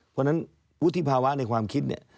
เพราะฉะนั้นวุฒิภาวะในความคิดเนี่ย